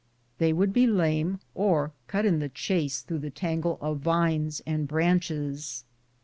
They would be lame, or cut in ^the chase, through the tangle of vines and branches.